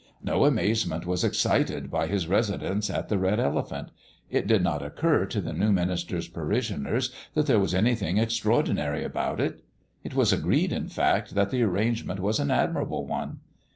No amazement was excited by his residence at the Red Elephant. It did not occur to the new minister's parishioners that there was anything extraordinary about it. It was agreed, in fact, that the arrangement was an admirable one.